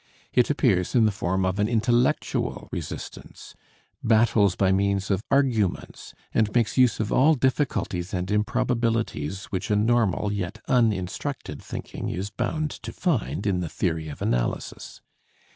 It appears in the form of an intellectual resistance, battles by means of arguments, and makes use of all difficulties and improbabilities which a normal yet uninstructed thinking is bound to find in the theory of analysis.